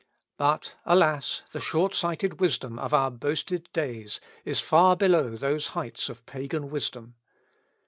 But, alas! the short sighted wisdom of our boasted days is far below those heights of Pagan wisdom.